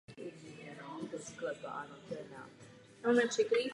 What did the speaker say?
Samčí šištice jsou válcovité a vyrůstají jednotlivě na koncích větví.